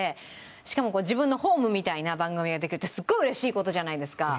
しかも自分のホームみたいな番組ができるってすごい嬉しい事じゃないですか。